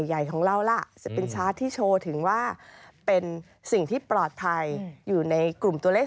ใหญ่ของเราล่ะจะเป็นชาร์จที่โชว์ถึงว่าเป็นสิ่งที่ปลอดภัยอยู่ในกลุ่มตัวเลข